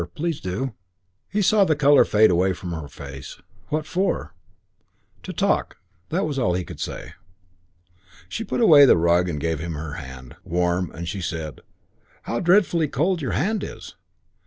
Please do." He saw the colour fade away upon her face. "What for?" "To talk." It was all he could say. She put away the rug and gave him her hand. Warm, and she said, "How dreadfully cold your hand is!